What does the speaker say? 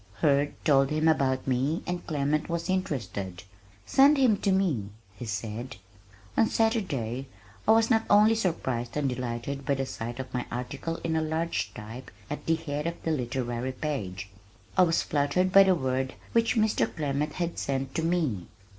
Hurd told him about me and Clement was interested. "Send him to me," he said. On Saturday I was not only surprised and delighted by the sight of my article in large type at the head of the literary page, I was fluttered by the word which Mr. Clement had sent to me.